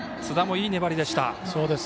津田もいい粘りでした。